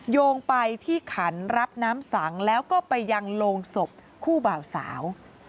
โยงไปที่ขันรับน้ำสังแล้วก็ไปยังโรงศพคู่บ่าวสาว